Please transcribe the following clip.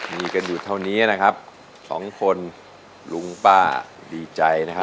มีกันอยู่เท่านี้นะครับสองคนลุงป้าดีใจนะครับ